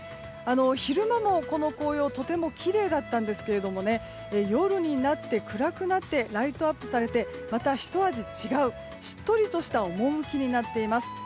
昼間も、この紅葉とてもきれいだったんですが夜になって暗くなってライトアップされてまたひと味違うしっとりとした趣になっています。